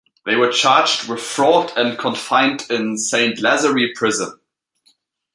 They were charged with fraud and confined in Saint Lazare prison.